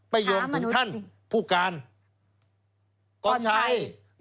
ไปโยงถึงท่านผู้การก่อนชัย